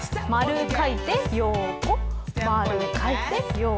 丸描いて横。